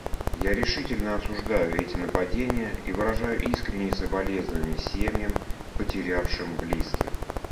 Я решительно осуждаю эти нападения и выражаю искренние соболезнования семьям, потерявшим близких.